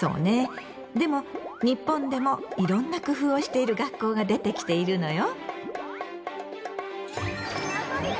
でも日本でもいろんな工夫をしている学校が出てきているのよ。